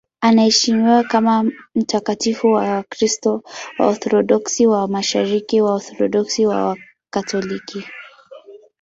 Anaheshimiwa kama mtakatifu na Wakristo Waorthodoksi wa Mashariki, Waorthodoksi na Wakatoliki.